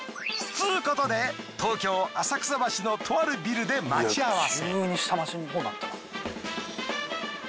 つうことで東京浅草橋のとあるビルで待ち合わせ。